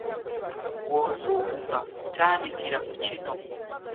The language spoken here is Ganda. Bw'ozuukuka tandikira ku kino.